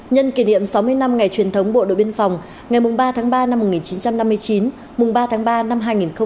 nhân kỷ niệm sáu mươi năm ngày truyền thống bộ đội biên phòng ngày ba tháng ba năm một nghìn chín trăm năm mươi chín ba tháng ba năm hai nghìn một mươi chín